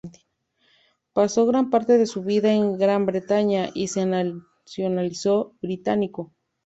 Pasó gran parte de su vida en Gran Bretaña y se nacionalizó británico.